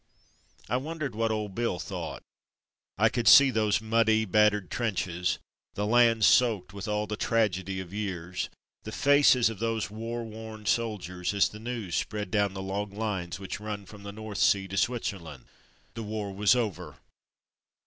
I wondered what Old Bill thought. I could see those muddy, bat tered trenches, the land soaked with all the tragedy of years, the faces of those war worn soldiers, as the news spread down the long lines, which run from the North Sea to Switzerland. The war was over!